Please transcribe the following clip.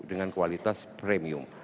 dengan kualitas premium